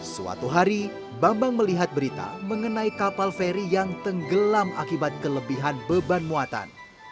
suatu hari bambang melihat berita mengenai kapal feri yang tenggelam akibat kelebihan beban muatan